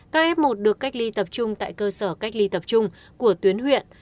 ca f một được cách ly tập trung tại cơ sở cách ly tập trung của tuyến huyện